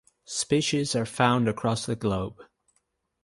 Species are found across the globe.